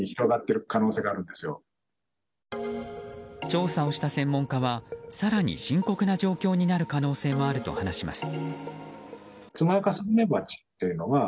調査をした専門家は更に深刻な状況になる可能性もあると話します。